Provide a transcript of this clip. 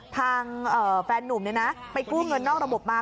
ทางแฟนนุ่มไปกู้เงินนอกระบบมา